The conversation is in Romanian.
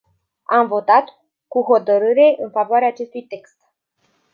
Am votat cu hotărâre în favoarea acestui text.